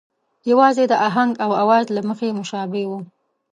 یوازې د آهنګ او آواز له مخې مشابه وو.